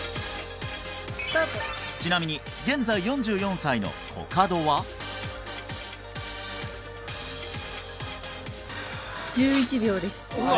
ちなみに現在４４歳のコカドは１１秒ですうわ